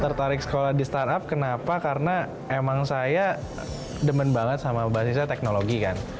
tertarik sekolah di startup kenapa karena emang saya demen banget sama basisnya teknologi kan